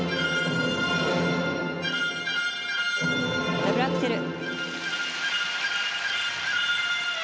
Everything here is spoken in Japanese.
ダブルアクセル。